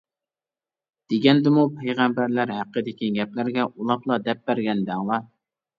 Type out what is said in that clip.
دېگەندىمۇ، پەيغەمبەرلەر ھەققىدىكى گەپلەرگە ئۇلاپلا دەپ بەرگەن دەڭلا.